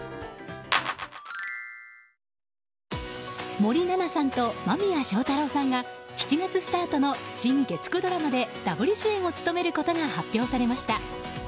森七菜さんと間宮祥太朗さんが７月スタートの新月９ドラマでダブル主演を務めることが発表されました。